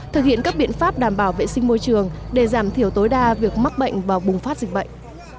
thực hiện các biện pháp đảm bảo vệ sinh môi trường để giảm thiểu tối đa việc mắc bệnh và bùng phát dịch bệnh